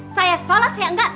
saya sholat ya enggak